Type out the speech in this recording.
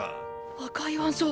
赤い腕章⁉